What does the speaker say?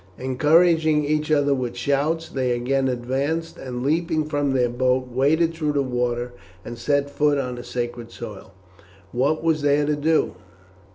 Encouraging each other with shouts, they again advanced, and, leaping from their boats, waded through the water and set foot on the sacred soil. "What was there to do?